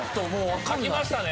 書きましたね？